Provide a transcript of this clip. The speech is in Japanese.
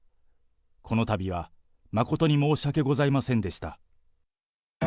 このたびは誠に申し訳ございませんでした。